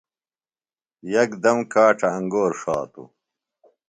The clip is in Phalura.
یکدم کاڇہ انگور ݜاتوۡ۔